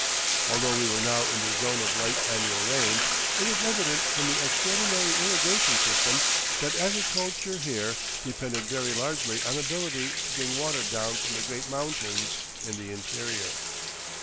Although we were now in the zone of light annual rains, it was evident from the extraordinary irrigation system that agriculture here depends very largely on ability to bring water down from the great mountains in the interior.